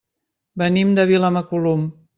Venim de Vilamacolum.